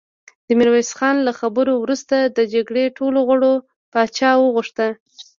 د ميرويس خان له خبرو وروسته د جرګې ټولو غړو پاچا غوښت.